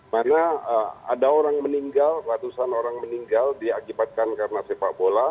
karena ada orang meninggal ratusan orang meninggal diakibatkan karena sepak bola